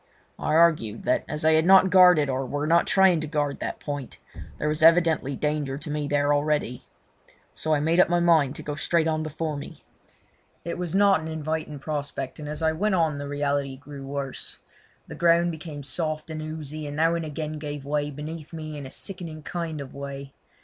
I argued that as they had not guarded or were not trying to guard that point, there was evidently danger to me there already. So I made up my mind to go straight on before me. It was not an inviting prospect, and as I went on the reality grew worse. The ground became soft and oozy, and now and again gave way beneath me in a sickening kind of way.